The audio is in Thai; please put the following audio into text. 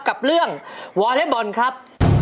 กับเรื่องวอเล็กบอลครับ